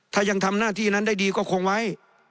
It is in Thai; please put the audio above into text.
ถ้ายังทำหน้าที่นั้นได้ดีก็คงไว้